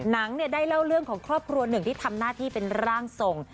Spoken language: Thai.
หนังได้เล่าเรื่องของครอบครัวหนึ่งที่ทำหน้าที่เป็นร่างทรง